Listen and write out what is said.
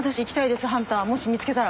もし見つけたら。